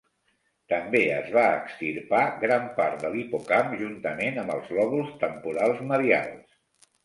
També es va extirpar gran part de l'hipocamp juntament amb els lòbuls temporals medials.